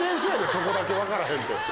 そこだけ分からへんって。